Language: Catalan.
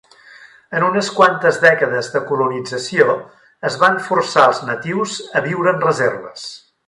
En unes quantes dècades de colonització, es van forçar als natius a viure en reserves.